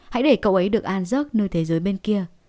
hãy để cậu ấy được an giớt nơi thế giới bên kia